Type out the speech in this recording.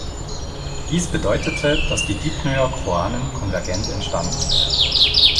Dies bedeutete, dass die Dipnoer-Choanen konvergent entstanden wären.